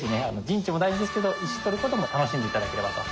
陣地も大事ですけど石取ることも楽しんで頂ければと。